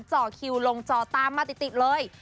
จ่อคิวลงจอตามมาติดเลย